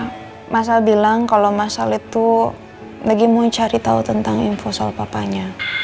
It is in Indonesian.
ya masal bilang kalo masal itu lagi mau cari tau tentang info soal papanya